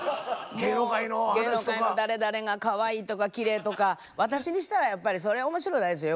芸能界の誰々がかわいいとかきれいとか私にしたらやっぱりそれは面白ないですよ